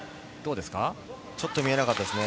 ちょっと見えなかったですね。